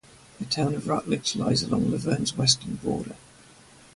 The town of Rutledge lies along Luverne's western border.